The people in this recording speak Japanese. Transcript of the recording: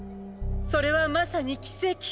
それはまさに奇跡。